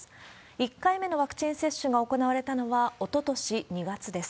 １回目のワクチン接種が行われたのは、おととし２月です。